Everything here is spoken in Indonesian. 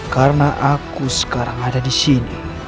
karena aku sekarang ada disini